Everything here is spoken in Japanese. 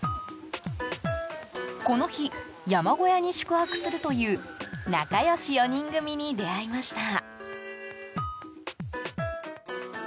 この日、山小屋に宿泊するという仲良し４人組に出会いました。